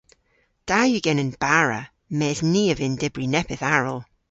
Da yw genen bara mes ni a vynn dybri neppyth aral!